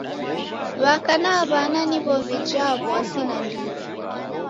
W'aka na w'ana niw'o w'ijaa w'asi nandighi.